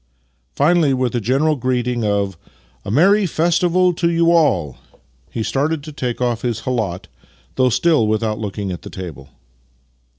Finally, with a general greeting of " A merry festival to 3'ou all! " he started to take off his khalat — though still Vv'ithout looking at the table.